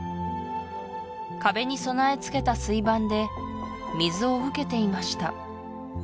壁に備えつけた水盤で水を受けていました